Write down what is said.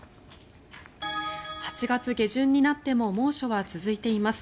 ８月下旬になっても猛暑は続いています。